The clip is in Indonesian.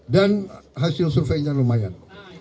dan hasil surveinya lumayan